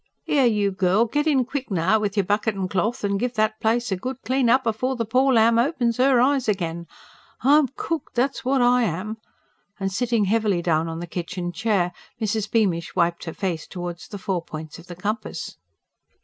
"'Ere, you girl, get in quick now with your bucket and cloth, and give that place a good clean up afore that pore lamb opens 'er eyes again. I'm cooked that's what I am!" and sitting heavily down on the kitchen chair, Mrs. Beamish wiped her face towards the four points of the compass.